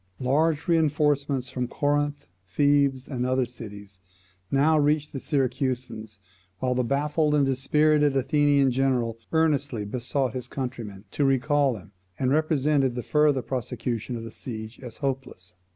Large reinforcements from Corinth, Thebes, and other cities, now reached the Syracusans; while the baffled and dispirited Athenian general earnestly besought his countrymen to recall him, and represented the further prosecution of the siege as hopeless.